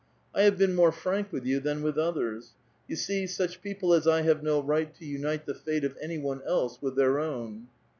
*' I have been more frank with you than with others. You see, such people as I have no right to unite the fate of any one else with their own."